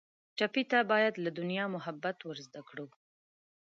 ټپي ته باید له دنیا محبت ور زده کړو.